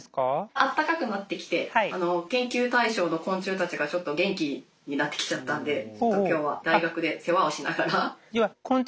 あったかくなってきて研究対象の昆虫たちが元気になってきちゃったんで今日は大学で世話をしながら。